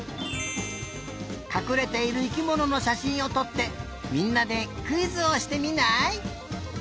かくれている生きもののしゃしんをとってみんなでクイズをしてみない？